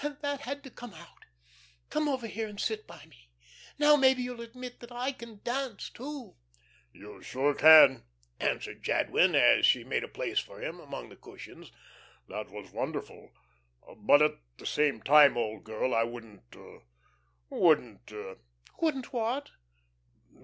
That had to come out. Come over here and sit by me. Now, maybe you'll admit that I can dance too." "You sure can," answered Jadwin, as she made a place for him among the cushions. "That was wonderful. But, at the same time, old girl, I wouldn't wouldn't " "Wouldn't what?"